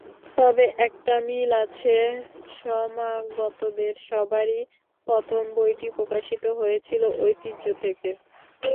তবে একটা মিল আছে, সমাগতদের সবারই প্রথম বইটি প্রকাশিত হয়েছিল ঐতিহ্য থেকে।